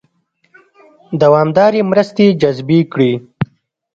دوامدارې مرستې جذبې کړي.